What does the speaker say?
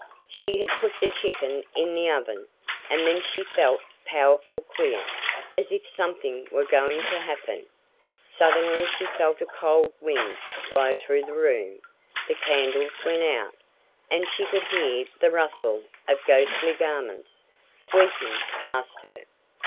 She had put the chicken in the oven, and then she felt powerful queer, as if something were going to happen. Suddenly she felt a cold wind blow through the room, the candles went out, and she could hear the rustle of "ghostly gahments" sweeping past her.